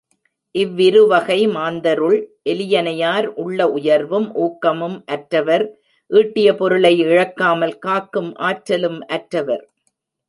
இவ்விருவகை மாந்தருள், எலியனையார், உள்ள உயர்வும், ஊக்கமும் அற்றவர் ஈட்டிய பொருளை இழக்காமல் காக்கும் ஆற்றலும் அற்றவர்.